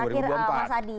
oke terakhir mas adi